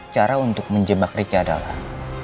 cara untuk menjebak ricky adalah